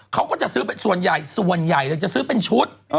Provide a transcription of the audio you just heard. เขาก็จะซื้อส่วนใหญ่ส่วนใหญ่จะซื้อเป็นชุด